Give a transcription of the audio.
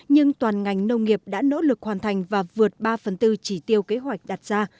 nhưng toàn ngành nông nghiệp đã nỗ lực hoàn thành và vượt ba phần tư chỉ tiêu kế hoạch đặt ra